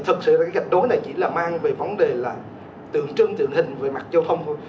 thực sự gạch nối này chỉ mang về vấn đề tượng trưng tượng hình về mặt châu thông thôi